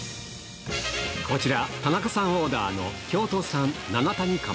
こちら、田中さんオーダーの京都産七谷鴨。